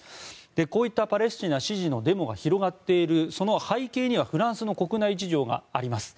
こういったパレスチナ支持のデモが広がっているその背景にはフランスの国内事情があります。